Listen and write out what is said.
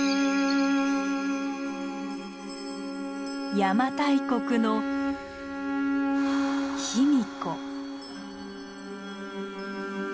邪馬台国の卑弥呼。